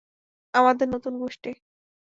আমাদের নতুন গোষ্ঠী।